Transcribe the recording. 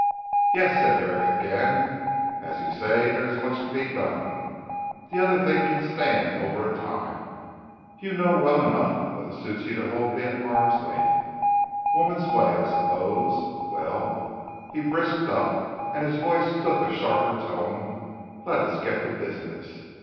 "Yes," said Herrick again, "as you say there is much to be done. The other thing can stand over for a time. You know well enough; but it suits you to hold me at arm's length. Woman's way I suppose. Well," he brisked up and his voice took a sharper tone, "let us get to business.